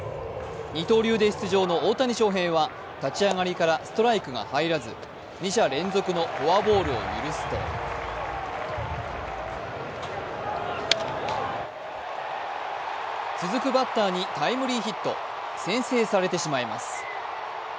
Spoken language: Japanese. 二刀流で出場の大谷翔平は立ち上がりからストライクが入らず二者連続のフォアボールを許すと続くバッターにタイムリーヒット、先制されてしまいます。